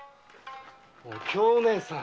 お京姐さん！